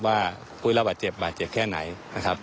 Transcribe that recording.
ว่าผู้ได้รับบาดเจ็บบาดเจ็บแค่ไหนนะครับ